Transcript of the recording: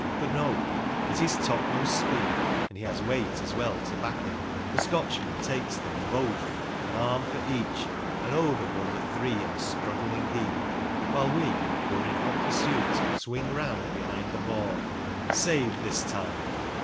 But no ; at his topmost speed ‚ÄĒ and he has weight as well to back him ‚ÄĒ the Scotchman takes them both, an arm for each, and over go the three in a struggling heap ; while we, who are in hot pursuit, swing round behind the ball. Saved this time!